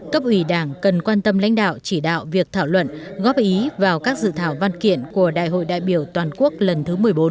cấp ủy đảng cần quan tâm lãnh đạo chỉ đạo việc thảo luận góp ý vào các dự thảo văn kiện của đại hội đại biểu toàn quốc lần thứ một mươi bốn